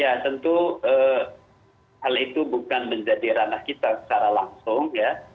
ya tentu hal itu bukan menjadi ranah kita secara langsung ya